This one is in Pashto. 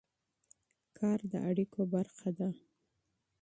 کار د اړیکو برخه ده.